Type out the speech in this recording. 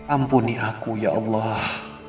ampuni aku ya allah